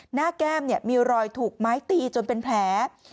แก้มมีรอยถูกไม้ตีจนเป็นแผล